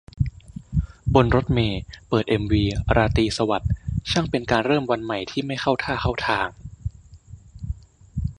บนรถเมล์ เปิดเอ็มวี 'ราตรีสวัสดิ์' ช่างเป็นการเริ่มวันใหม่ที่ ไม่เข้าท่าเข้าทาง